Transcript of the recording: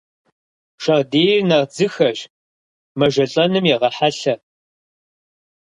Шагъдийр нэхъ дзыхэщ, мэжэлӀэным егъэхьэлъэ.